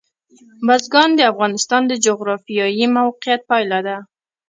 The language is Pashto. بزګان د افغانستان د جغرافیایي موقیعت پایله ده.